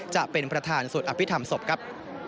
จะเป็นประธานสวดอภิษฐรรมศพครับ